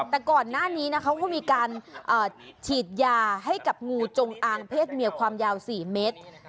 แต่ก่อนหน้านี้เขาก็มีการฉีดยาให้กับงูจงอางเพศเมียความยาว๔เมตร